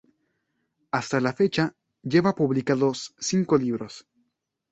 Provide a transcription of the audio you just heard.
Hasta la fecha lleva publicados cinco libros.